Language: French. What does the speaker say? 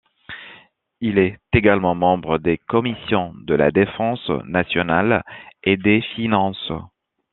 Il est également membre des commissions de la défense nationale et des finances.